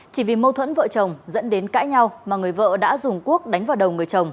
chỉ vì mâu thuẫn vợ chồng dẫn đến cãi nhau mà người vợ đã dùng quốc đánh vào đầu người chồng